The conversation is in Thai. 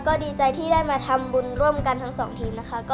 ก็ดีใจที่ได้มาทำบุญร่วมกันทั้งสองทีมนะคะ